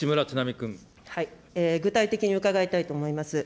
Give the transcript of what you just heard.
具体的に伺いたいと思います。